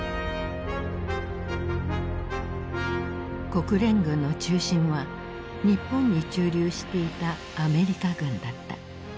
国連軍の中心は日本に駐留していたアメリカ軍だった。